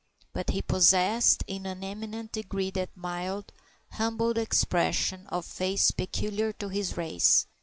But he possessed in an eminent degree that mild, humble expression of face peculiar to his race.